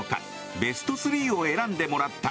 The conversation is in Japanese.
ベスト３を選んでもらった。